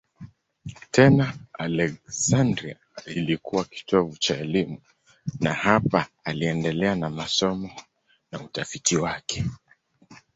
Tena Aleksandria ilikuwa kitovu cha elimu na hapa aliendelea na masomo na utafiti wake.